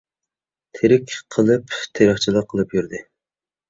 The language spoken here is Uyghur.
تىرىك قېلىپ، تېرىقچىلىق قىلىپ يۈردى.